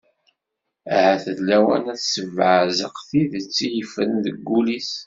Ahat d lawan ad d-tebbeɛzaq tidet i yeffren deg wul-is.